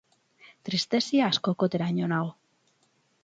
Tristeziaz kokoteraino nago.